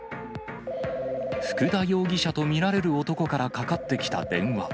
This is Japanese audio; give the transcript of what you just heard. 福田容疑者と見られる男からかかってきた電話。